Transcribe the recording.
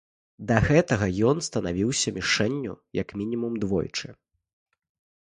Да гэтага ён станавіўся мішэнню як мінімум двойчы.